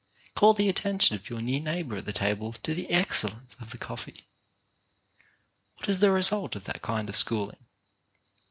Call the attention of your near neighbour at the table to the excellence of the coffee. What is the result of that kind of schooling